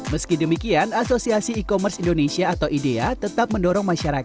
meski demikian asosiasi e commerce indonesia atau idea tetap mendorong masyarakat